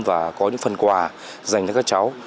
và có những phần quà dành cho các cháu